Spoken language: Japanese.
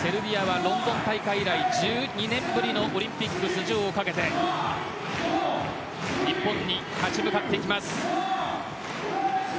セルビアはロンドン大会以来１２年ぶりのオリンピック出場をかけて日本に立ち向かってきます。